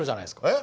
え？